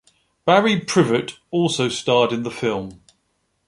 Barry Privett also starred in the film.